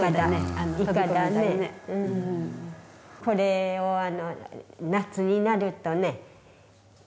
これを夏になるとね